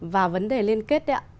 và vấn đề liên kết đấy ạ